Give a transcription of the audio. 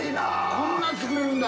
◆こんなの作れるんだ。